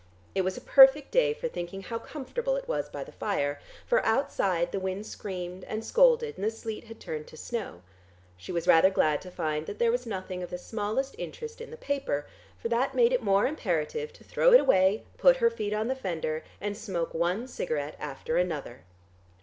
It was a perfect day for thinking how comfortable it was by the fire, for outside the wind screamed and scolded, and the sleet had turned to snow. She was rather glad to find that there was nothing of the smallest interest in the paper, for that made it more imperative to throw it away, put her feet on the fender and smoke one cigarette after another.